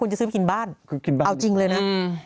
ควรจะซื้อไปกินบ้านเอาจริงเลยนะ